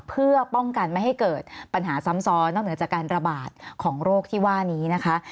เพื่อป้องกันไม่ให้เกิดปัญหาซ้ำซ้อนนอกเหนือจากการระบาดของโรคที่ว่านี้นะคะ